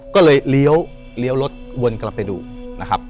ก็คือไปเลี้๋วเลี้๋วรถวนกลับไปดูนะครับ